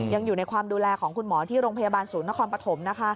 ยังอยู่ในความดูแลของคุณหมอที่โรงพยาบาลศูนย์นครปฐม